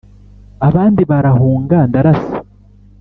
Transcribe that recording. Abandi barahunga ndarasa.